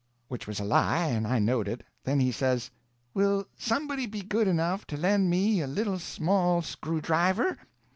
Which was a lie, and I knowed it. Then he says: "Will somebody be good enough to lend me a little small screwdriver?